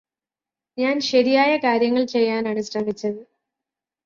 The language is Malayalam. ഞാന് ശരിയായ കാര്യങ്ങള് ചെയ്യാനാണ് ശ്രമിച്ചത്